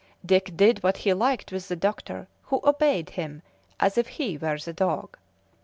Dick did what he liked with the doctor, who obeyed him as if he were the dog.